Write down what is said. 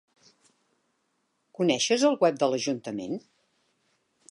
Coneixes el web de l'ajuntament?